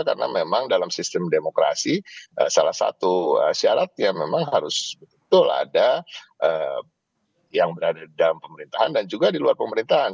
karena memang dalam sistem demokrasi salah satu syaratnya memang harus betul betul ada yang berada di dalam pemerintahan dan juga di luar pemerintahan